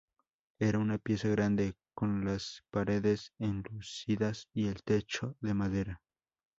Era una pieza grande, con las paredes enlucidas y el techo de madera.